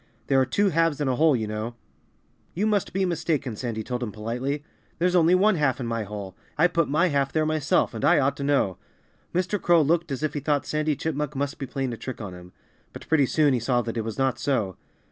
There are two halves in a whole, you know." "You must be mistaken," Sandy told him politely. "There's only one half in my hole. I put my half there myself, and I ought to know." Mr. Crow looked as if he thought Sandy Chipmunk must be playing a trick on him. But pretty soon he saw that it was not so.